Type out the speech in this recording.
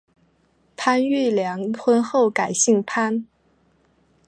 潘玉良婚后改姓潘。